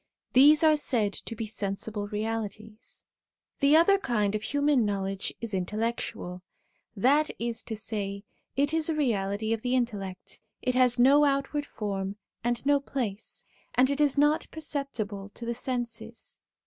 These are said to be sensible realities. The other kind of human knowledge is intellectual that is to say, it is a reality of the intellect, it has no outward form and no place, and is not perceptible to 1 Lit. , the pivot. 95 96 SOME ANSWERED QUESTIONS the senses.